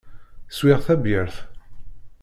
Swiɣ tabyirt.